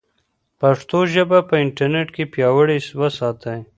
پښتو ژبه په انټرنیټ کې پیاوړې وساتئ.